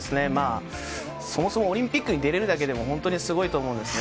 そもそもオリンピックに出れるだけでも本当にすごいと思うんですね。